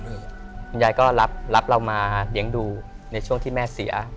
คุณยายก็รับเรามาเลี้ยงดูในช่วงที่แม่เสีย